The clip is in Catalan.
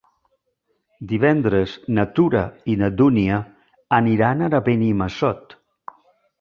Divendres na Tura i na Dúnia aniran a Benimassot.